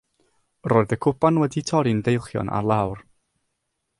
Roedd y cwpan wedi torri'n deilchion ar lawr.